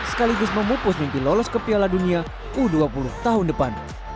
sekaligus memupus mimpi lolos ke piala dunia u dua puluh tahun depan